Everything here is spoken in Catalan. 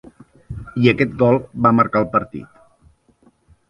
I aquest gol va marcar el partit.